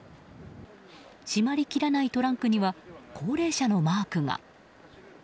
閉まりきらないトランクには高齢者のマークが。